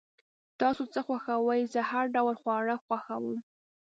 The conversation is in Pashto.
تاسو څه خوښوئ؟ زه هر ډوله خواړه خوښوم